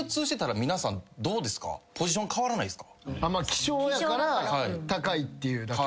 希少やから高いっていうだけ。